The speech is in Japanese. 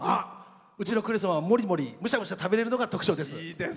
うちのクレソンはもりもり、むしゃむしゃ食べれるのが特徴です。